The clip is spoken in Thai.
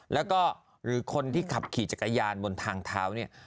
แล้วก็หรือคนที่ขับขี่จักรยานบนทางเท้าเนี่ย